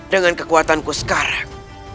dengan kekuatanku sekarang